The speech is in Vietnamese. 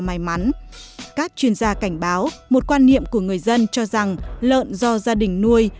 may mắn các chuyên gia cảnh báo một quan niệm của người dân cho rằng lợn do gia đình nuôi